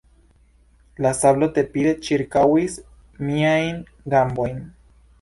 La sablo tepide ĉirkaŭis miajn gambojn.